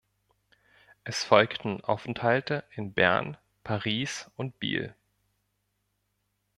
Es folgten Aufenthalte in Bern, Paris und Biel.